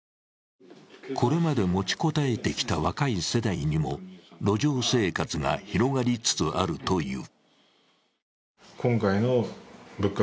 これまで持ちこたえてきた若い世代にも路上生活が広がりつつあるという。